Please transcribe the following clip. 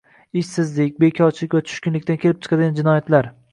ishsizlik, bekorchilik va tushkunlikdan kelib chiqadigan jinoyatlar